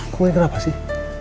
kok ini kenapa sih